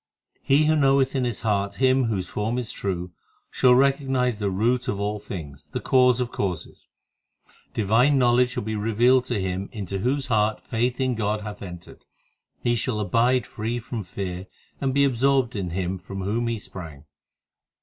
2 He who knoweth in his heart Him whose form is true, Shall recognize the Root of all things, the Cause of causes. HYMNS OF GURU ARJAN 249 Divine knowledge shall be revealed to him Into whose heart faith in God hath entered ; He shall abide free from fear, And be absorbed in Him from whom he sprang.